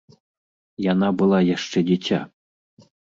Яна была яшчэ дзіця.